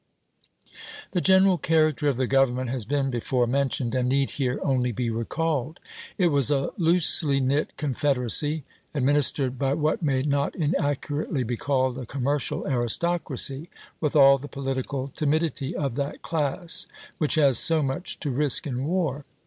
The general character of the government has been before mentioned, and need here only be recalled. It was a loosely knit confederacy, administered by what may not inaccurately be called a commercial aristocracy, with all the political timidity of that class, which has so much to risk in war.